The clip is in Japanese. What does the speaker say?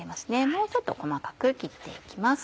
もうちょっと細かく切って行きます。